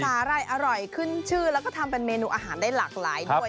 อะไรอร่อยขึ้นชื่อแล้วก็ทำเป็นเมนูอาหารได้หลากหลายด้วย